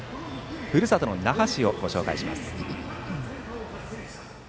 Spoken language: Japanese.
ふるさとの那覇市をご紹介します。